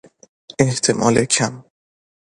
احتمال کم